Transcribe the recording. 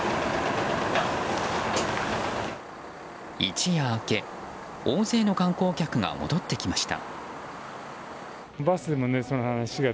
一夜明け大勢の観光客が戻ってきました。